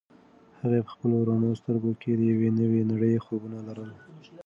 هغې په خپلو رڼو سترګو کې د یوې نوې نړۍ خوبونه لرل.